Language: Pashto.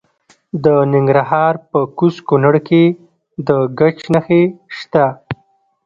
د ننګرهار په کوز کونړ کې د ګچ نښې شته.